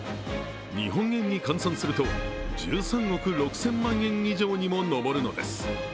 日本円に換算すると１３億６０００万円以上にも上るのです。